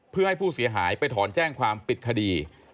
เพื่อให้ผู้เสียหายไปถอนแจ้งความปิดคดี